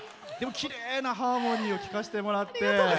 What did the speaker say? きれいなハーモニーを聴かせてもらって。